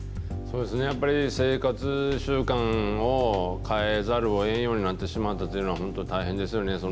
やっぱり生活習慣を変えざるをえんようになってしまったというのは、本当、大変ですよね。